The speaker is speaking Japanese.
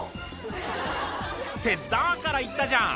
ってだから言ったじゃん！